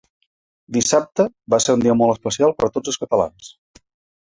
Dissabte va ser un dia molt especial per a tots els catalans.